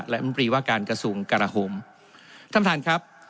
และอันปรีว่าการกระทรวงกระหละโหมท่านท่านครับ